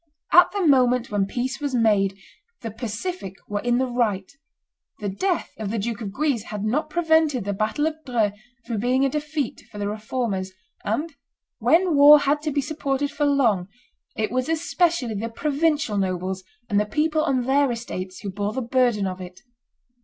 At the moment when peace was made, the pacific were in the right; the death of the Duke of Guise had not prevented the battle of Dreux from being a defeat for the Reformers; and, when war had to be supported for long, it was especially the provincial nobles and the people on their estates who bore the burden of it.